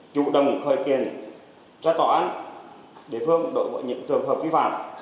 chủ đồng khơi kiền cho tòa án địa phương đổi bội những trường hợp vi phạm